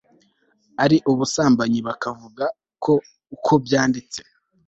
ari ubusambanyi, bakavuga ko uko byanditse